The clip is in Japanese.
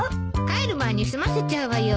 帰る前に済ませちゃうわよ。